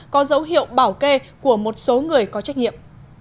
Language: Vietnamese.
có dấu hiệu bảo kê của một số người có trách nhiệm